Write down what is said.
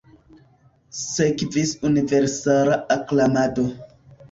Sekvis universala aklamado.